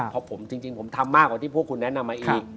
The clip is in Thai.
เพราะผมจริงผมทำมากกว่าที่พวกคุณแนะนำมาอีก